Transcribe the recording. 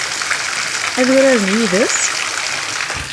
Ad uraren yid-s?